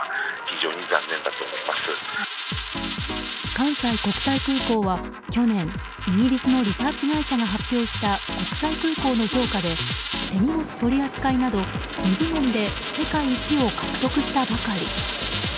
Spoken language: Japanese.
関西国際空港は去年イギリスのリサーチ会社が発表した、国際空港の評価で手荷物取り扱いなど２部門で世界一を獲得したばかり。